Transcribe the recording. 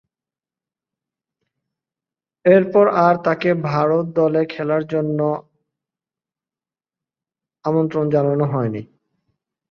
এরপর আর তাকে ভারত দলে খেলার জন্যে আমন্ত্রণ জানানো হয়নি।